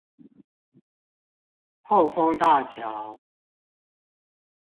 後豐大橋